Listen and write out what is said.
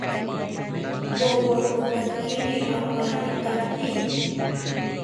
Nowakotakiri apani thampi